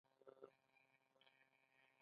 د مسابقو موټرونه او نور لوکس شیان شامل وو.